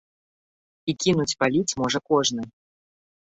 І кінуць паліць можа кожны.